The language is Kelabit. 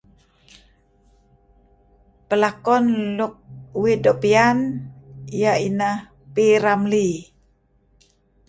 Pelakon luk uih doo' piyan iyeh ineh P. Ramlee